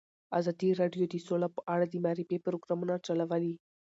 ازادي راډیو د سوله په اړه د معارفې پروګرامونه چلولي.